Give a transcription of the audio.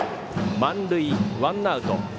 満塁、ワンアウト。